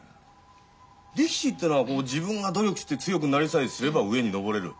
力士ってのは自分が努力して強くなりさえすれば上に上れる。